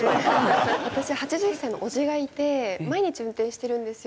私８１歳のおじがいて毎日運転してるんですよ。